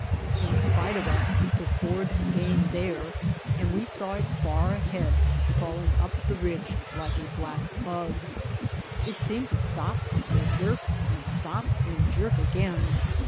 In spite of us the Ford gained there and we saw it far ahead crawling up the ridge like a black bug. It seemed to stop and jerk and stop and jerk again.